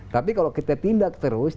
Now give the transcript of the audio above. tapi kalau kita tindak terus